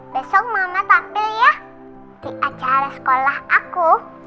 besok mama tampil ya di acara sekolah aku